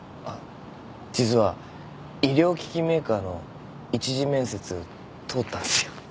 あっ実は医療機器メーカーの一次面接通ったんすよ。